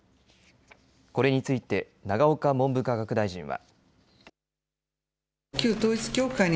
これについて永岡文部科学大臣は。